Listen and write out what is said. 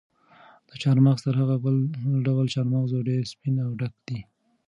دا چهارمغز تر هغه بل ډول چهارمغز ډېر سپین او ډک دي.